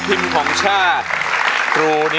เพลงที่๖นะครับ